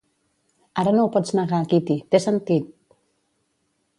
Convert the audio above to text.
Ara no ho pots negar, Kitty: t'he sentit!